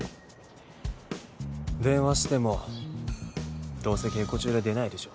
電話してもどうせ稽古中で出ないでしょ